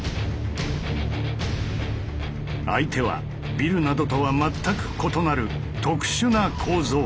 相手はビルなどとは全く異なる特殊な構造。